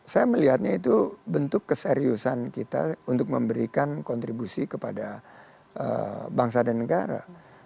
saya melihatnya itu bentuk keseriusan kita untuk memberikan kontribusi kepada bangsa dan negara